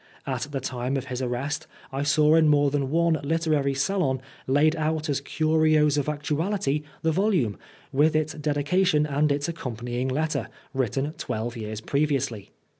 At the time of his arrest I saw in more than one literary salon, laid out as curios of actuality, the volume, with its dedication and its accompanying letter, written twelve years previously.